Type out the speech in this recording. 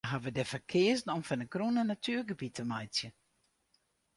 Sy hawwe der foar keazen om fan de grûn in natuergebiet te meitsjen.